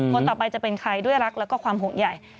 คนต่อไปจะเป็นใครด้วยรักแล้วก็ความห่วงใหญ่